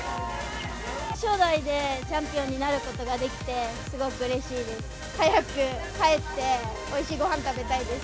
初代でチャンピオンになることができて、すごくうれしいです。